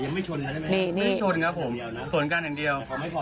ไม่ชนครับผมชนกันอย่างเดียว